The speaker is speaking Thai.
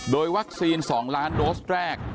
โดยวัคซีน๒ล้านโดสแรก